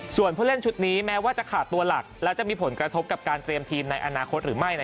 ส่วนผู้เล่นชุดนี้แม้ว่าจะขาดตัวหลักและจะมีผลกระทบกับการเตรียมทีมในอนาคตหรือไม่